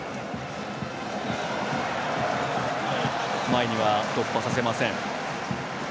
前には突破させません。